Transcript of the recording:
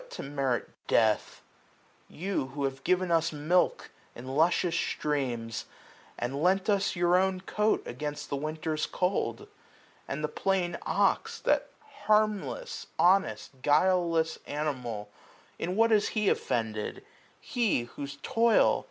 To merit death ? you, who have given us milk In luscious streams ? and lent us your own coat 360 Against the winter's cold. And the plain ox. That harmless, honest, guileless animal. In what has he offended ? he, whose toil.